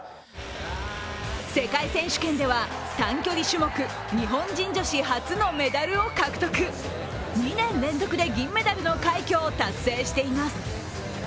世界選手権では短距離種目、日本人女子初のメダルを獲得、２年連続で銀メダルの快挙を達成しています。